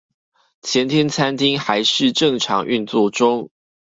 前天餐廳還是正常運作中